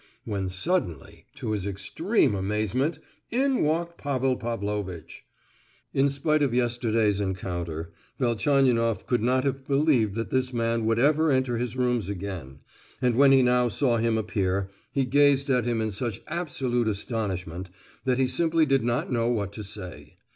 When suddenly, to his extreme amazement, in walked Pavel Pavlovitch. In spite of yesterday's rencontre, Velchaninoff could not have believed that this man would ever enter his rooms again; and when he now saw him appear, he gazed at him in such absolute astonishment, that he simply did not know what to say.